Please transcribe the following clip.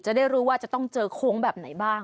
จะได้รู้ว่าจะต้องเจอโค้งแบบไหนบ้าง